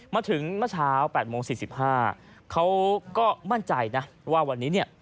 เมื่อเช้า๘โมง๔๕เขาก็มั่นใจนะว่าวันนี้เนี่ย